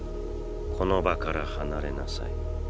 この場から離れなさい。